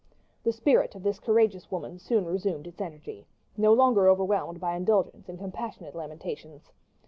The spirit of this courageous woman soon resumed its energy, no longer overwhelmed by indulgence in compassionate lamentations.